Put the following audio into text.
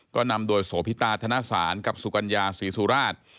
ก็นำโดยโสพิตาธนสารกับสุกัญญาศรีสุราช